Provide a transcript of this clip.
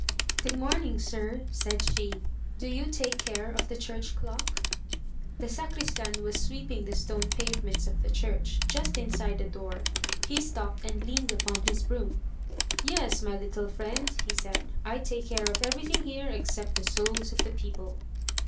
"Good morning, sir," said she. "Do you take care of the church clock?" The sacristan was sweeping the stone pavements of the church, just inside the door. He stopped and leaned upon his broom. "Yes, my little friend," he said, "I take care of everything here except the souls of the people."